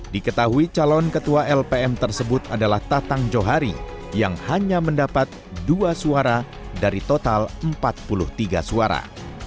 diketahui calon ketua lpm tersebut adalah tatang johari yang hanya mendapat dua suara dari total empat puluh tiga suara